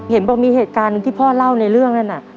เห็นบอกมีเหตุการณ์หนึ่งที่พ่อเล่าในเรื่องนั้นน่ะ